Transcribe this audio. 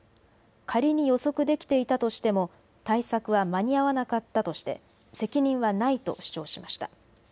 仮に予測できていたとしても対策は間に合わなかったとして責任はないと主張しました。